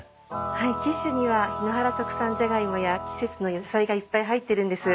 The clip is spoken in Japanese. はいキッシュには檜原特産じゃがいもや季節の野菜がいっぱい入ってるんです。